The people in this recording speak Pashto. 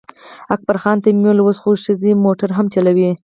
اکبرخان ته مې وویل اوس خو ښځې موټر هم چلوي.